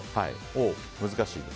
難しいです。